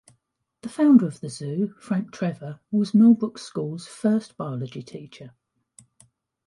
The founder of the zoo, Frank Trevor was Millbrook School's first biology teacher.